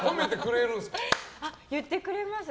言ってくれます。